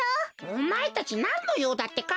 おまえたちなんのようだってか？